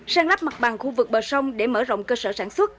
sáng lắp mặt bằng khu vực bờ sông để mở rộng cơ sở sản xuất